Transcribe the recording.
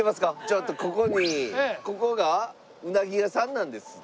ちょっとここにここがうなぎ屋さんなんですって。